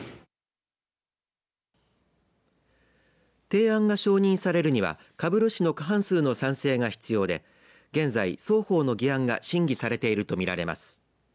提案が承認されるには株主の過半数の賛成が必要で現在、双方の議案が審議されていると見られます。